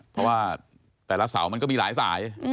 เพราะว่าแต่ละเสามันก็มีหลายสาย